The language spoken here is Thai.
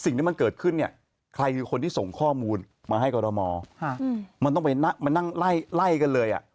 นั่งไล่กันเลย